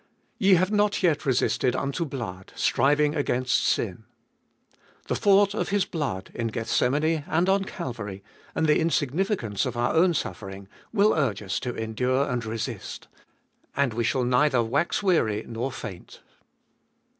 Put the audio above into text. Ye have not yet resisted unto blood, striving against sin: the thought of His blood in Gethsemane and on Calvary, and the insignificance of our own suffering, will urge us to endure and resist. And we shall neither wax weary nor faint.